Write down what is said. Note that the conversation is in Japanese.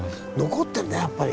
残ってるねやっぱり。